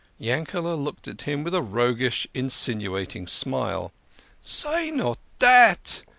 Yankel6 looked at him with a roguish, insinuating smile. " Say not dat